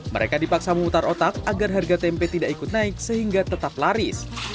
mereka dipaksa memutar otak agar harga tempe tidak ikut naik sehingga tetap laris